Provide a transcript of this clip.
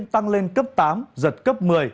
tăng lên cấp tám giật cấp một mươi